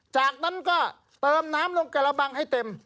จากนั้นก็เติมน้ำลงกระบังให้เต็ม